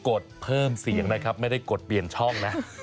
ดเพิ่มเสียงนะครับไม่ได้กดเปลี่ยนช่องนะ